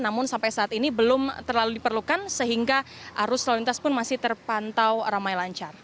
namun sampai saat ini belum terlalu diperlukan sehingga arus lalu lintas pun masih terpantau ramai lancar